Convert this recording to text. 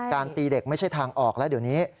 ตีเด็กไม่ใช่ทางออกแล้วเดี๋ยวนี้